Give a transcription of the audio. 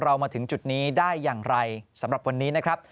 มาถึงจุดนี้ได้อย่างไรสำหรับวันนี้นะครับ